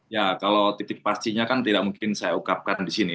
ya kalau titik pastinya kan tidak mungkin saya ungkapkan di sini